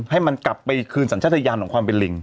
ให้มันกลับไปคืนสัญชาติยานของความเป็นลิง